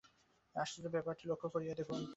এই আশ্চর্য ব্যাপারটি লক্ষ্য করিয়া দেখুন।